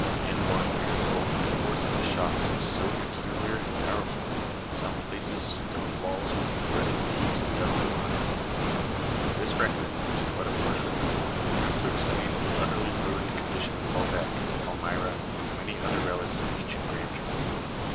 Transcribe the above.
In one, we are told the force of the shocks was so peculiar and powerful that in some places stone walls were converted to heaps of dust or lime. [Illustration: RUINS NEAR NINEVEH.] This record, which is but a partial one, is enough to explain the utterly ruined condition of Baalbec, Palmyra, and many other relics of ancient grandeur.